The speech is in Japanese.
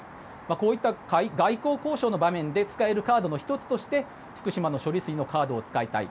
こういった外交交渉の場面で使えるカードの１つとして福島の処理水のカードを使いたい。